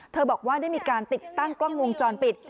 บอกว่าได้มีการติดตั้งกล้องวงจรปิด